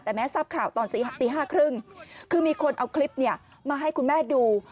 แต่แม้ทราบข่าวตอนตี๕๓๐คือมีคนเอาคลิปมาให้คุณแม่ดู